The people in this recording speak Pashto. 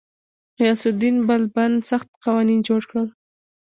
غیاث الدین بلبن سخت قوانین جوړ کړل.